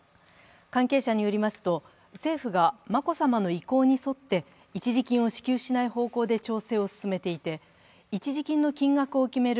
関係者によりますと、政府が眞子さまの意向に沿って一時金を支給しない方向で調整を進めていて、一時金の金額を決める